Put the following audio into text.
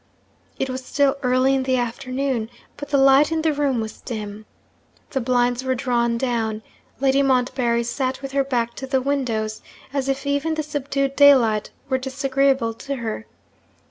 It was still early in the afternoon, but the light in the room was dim. The blinds were drawn down. Lady Montbarry sat with her back to the windows, as if even the subdued daylight were disagreeable to her.